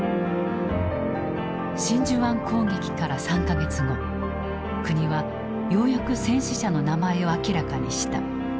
真珠湾攻撃から３か月後国はようやく戦死者の名前を明らかにした。